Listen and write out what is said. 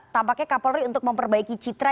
tampaknya kapolri untuk memperbaiki citra